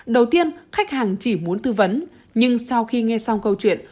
đầu tiên khách hàng chỉ muốn tư vấn nhưng sau khi nghe xong câu chuyện